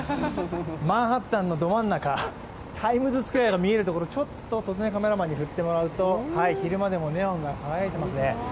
マンハッタンのど真ん中、タイムズスクエアの見えるところ、ちょっとカメラマンに振ってもらうと昼間でもネオンが輝いていますね。